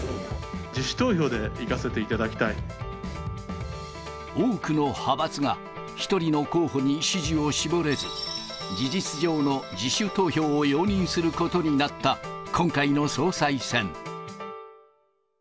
自主投票で行かせていただき多くの派閥が、１人の候補に支持を絞れず、事実上の自主投票を容認することになった今回の総裁選。